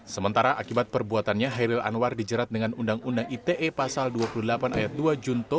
sementara akibat perbuatannya hairil anwar dijerat dengan undang undang ite pasal dua puluh delapan ayat dua junto